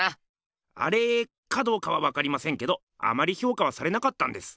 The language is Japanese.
「アレー」かどうかはわかりませんけどあまりひょうかはされなかったんです。